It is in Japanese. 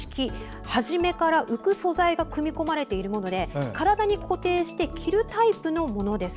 初めから浮く素材が組み込まれているもので体に固定して着るタイプのものです。